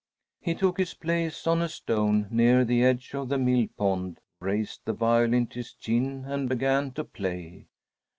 He took his place on a stone near the edge of the mill pond, raised the violin to his chin, and began to play.